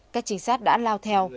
các trinh sát đã lao theo